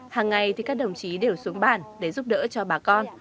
hàng ngày thì các đồng chí đều xuống bàn để giúp đỡ cho bà con